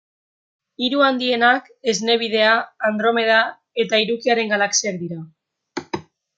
Hiru handienak Esne Bidea, Andromeda eta Hirukiaren Galaxia dira.